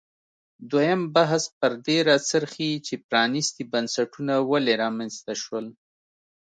دویم بحث پر دې راڅرخي چې پرانیستي بنسټونه ولې رامنځته شول.